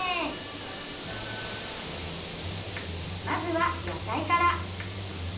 まずは野菜から。